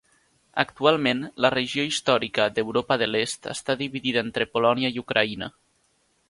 Actualment, la regió històrica d'Europa de l'Est està dividida entre Polònia i Ucraïna.